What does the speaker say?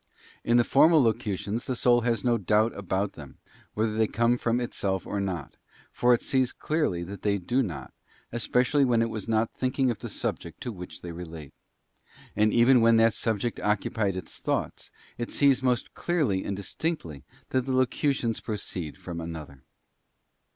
In the formal locutions the soul has no doubt about them, whether they come from itself or not; for it sees clearly that they do not—especially when it was not thinking of the subject to which they relate; and even when that subject occupied its thoughts, it sees most clearly _and distinctly, that the locutions proceed from another.